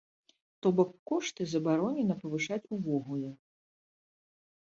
То бок, кошты забаронена павышаць увогуле!